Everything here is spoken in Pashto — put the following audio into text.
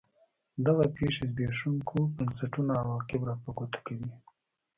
دغه پېښې زبېښونکو بنسټونو عواقب را په ګوته کوي.